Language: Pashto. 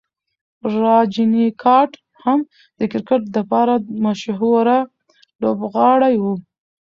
راجنیکانټ هم د کرکټ د پاره مشهوره لوبغاړی و.